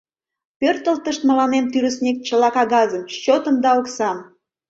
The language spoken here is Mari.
Пӧртылтышт мыланем тӱрыснек чыла кагазым, счётым да оксам.